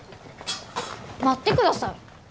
待ってください。